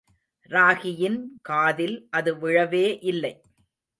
ராகியின் காதில் அது விழவே இல்லை.